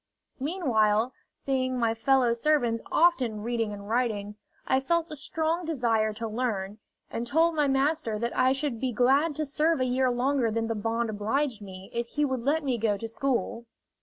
Meanwhile, seeing my fellow servants often reading and writing, I felt a strong desire to learn, and told my master that I should be glad to serve a year longer than the bond obliged me if he would let me go to school.